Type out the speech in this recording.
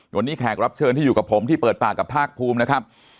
วันนี้แขกรับเชิญที่อยู่กับผมที่เปิดปากกับภาคภูมินะครับ